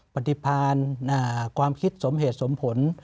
ปฏิพันธ์ความคิดสมเหตุสมผล